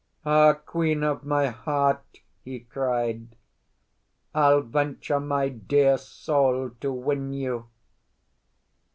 "Ah, queen of my heart," he cried, "I'll venture my dear soul to win you!"